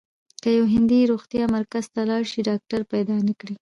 که یو هندی روغتیايي مرکز ته لاړ شي ډاکټر پیدا نه کړي.